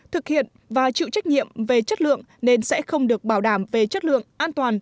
thực hiện và chịu trách nhiệm về chất lượng nên sẽ không được bảo đảm về chất lượng an toàn